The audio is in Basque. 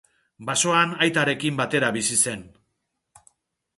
Basoan aitarekin batera bizi zen.